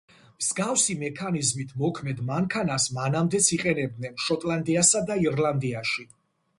მსგავსი მექანიზმით მოქმედ მანქანას მანამდეც იყენებდნენ შოტლანდიასა და ირლანდიაში.